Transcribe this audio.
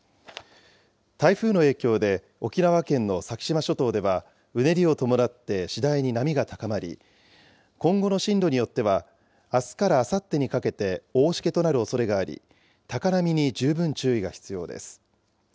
台風の影響で、沖縄県の先島諸島では、うねりを伴って次第に波が高まり、今後の進路によっては、あすからあさってにかけて大しけとなるおそれがあり、高波に十分注意が必要です。